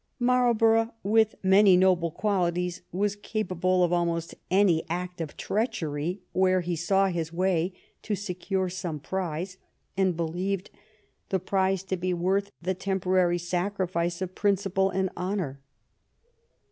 Marlborough, with many noble qualities, was capable of almost any act of treachery where he saw his way to secure some prize and believed the prize to be worth the temporary sacrifice of principle and honor.